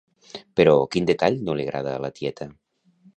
Però, quin detall no li agrada a la tieta?